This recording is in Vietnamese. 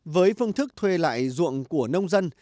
với phương thức thuê lại ruộng của nông dân